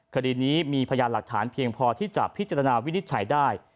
คดีนี้มีพยานหลักฐานเพียงพอที่จะพิจารณาวินิจฉัยได้